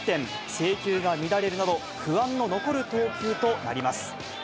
制球が乱れるなど、不安の残る投球となります。